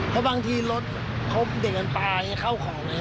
เพราะบางทีรถหมุนเดียวพี่เข้าของเลย